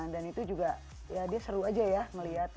dan itu juga ya dia seru aja ya melihat